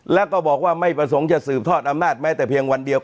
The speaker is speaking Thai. แล้วก็บอกว่าไม่ประสงค์จะสืบทอดอำนาจแม้แต่เพียงวันเดียว